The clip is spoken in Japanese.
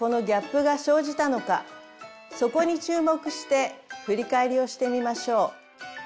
そこに注目して振り返りをしてみましょう。